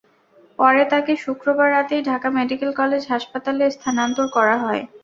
পরে তাঁকে শুক্রবার রাতেই ঢাকা মেডিকেল কলেজ হাসপাতালে স্থানান্তর করা হয়।